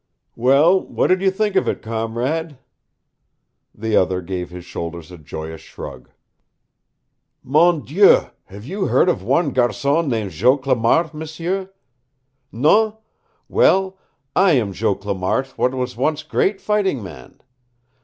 "Well, what did you think of it, comrade?" The other gave his shoulders a joyous shrug. "Mon Dieu! Have you heard of wan garcon named Joe Clamart, m'sieu? Non? Well, I am Joe Clamart what was once great fightin' man.